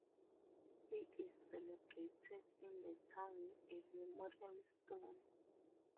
He is celebrated in the town with a memorial stone.